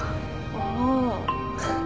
ああ。